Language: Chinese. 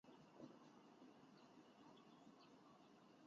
朴勍完是一名韩国男子棒球运动员。